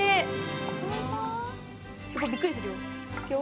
すごいびっくりするよ。